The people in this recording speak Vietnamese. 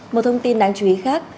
một thông tin đáng chú ý khác